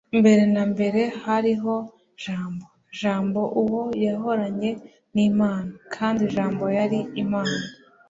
“Mbere na mbere hariho Jambo, Jambo uwo yahoranye n’Imana kandi Jambo yari Imana,